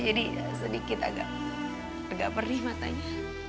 jadi sedikit agak perih matanya